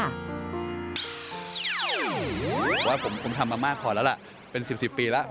เพราะว่าผมทำมามากพอแล้วล่ะเป็น๑๐ปีแล้ว